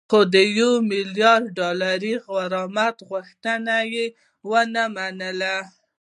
خو د یو میلیارد ډالري غرامت غوښتنه یې ونه منله